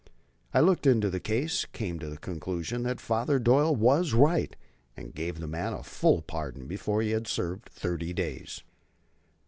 I looked into the case, came to the conclusion that Father Doyle was right, and gave the man a full pardon before he had served thirty days.